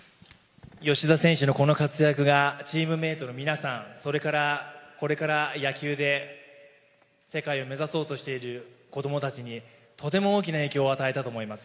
吉田選手のこの活躍がチームメートの皆さん、それからこれから野球で世界を目指そうとしている子どもたちにとても大きな影響を与えたと思います。